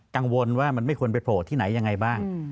กังวลว่ามันไม่ควรไปโผล่ที่ไหนยังไงบ้าง